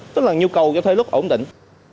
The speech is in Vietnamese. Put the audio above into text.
tức là nhu cầu cho thuê lúc ổn định